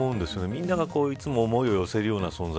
みんながいつも思いを寄せるような存在。